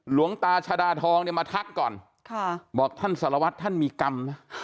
หลวงตาชาดาทองเนี่ยมาทักก่อนค่ะบอกท่านสารวัตรท่านมีกรรมนะ